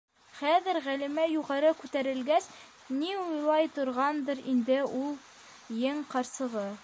Хәҙер, Ғәлимә юғары күтәрелгәс, ни уйлай торғандыр инде ул ен ҡарсығы?